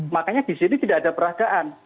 makanya di sini tidak ada peragaan